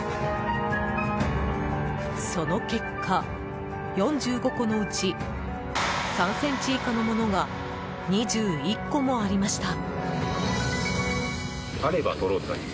その結果、４５個のうち３ｃｍ以下のものが２１個もありました。